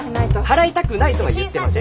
払いたくないとは言ってません。